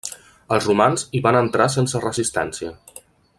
Els romans hi van entrar sense resistència.